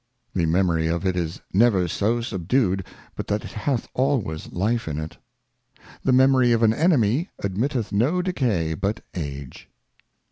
The Memory of it is never so subdued, but that it hath always Life in it. The Memory of an Enemy admitteth no decay but Age.